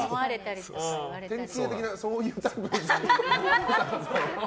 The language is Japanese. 典型的なそういうタイプですよね。